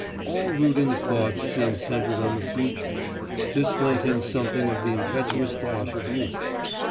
All Rudin's thoughts seemed centred on the future; this lent him something of the impetuous dash of youth...